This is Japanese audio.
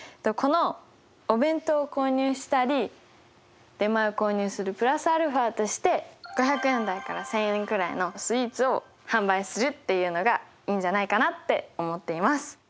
このお弁当を購入したり出前を購入するプラスアルファとして５００円台から１，０００円くらいのスイーツを販売するっていうのがいいんじゃないかなって思っています。